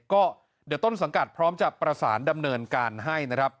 ก็เดี๋ยวต้นสังกัดพร้อมจะประสานดำเนินการให้นะครับ